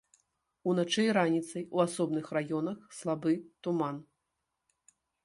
Уначы і раніцай у асобных раёнах слабы туман.